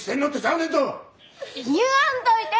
言わんといて！